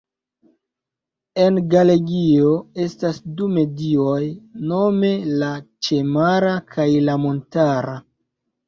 En Galegio estas du medioj nome la ĉemara kaj la montara.